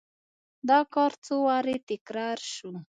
دا کار څو وارې تکرار شو.